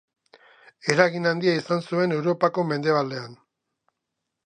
Eragin handia izan zuen Europako mendebaldean.